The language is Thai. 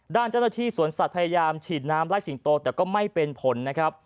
ด้านเจ้าหน้าที่สวนสัตว์พยายามฉีดน้ำไล่สิงโตแต่ก็ไม่เป็นผลนะครับ